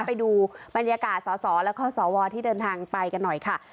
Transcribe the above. ไปดูบรรยากาศสสแล้วก็สวที่เดินทางไปกันหน่อยค่ะ